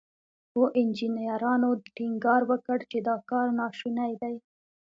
خو انجنيرانو ټينګار وکړ چې دا کار ناشونی دی.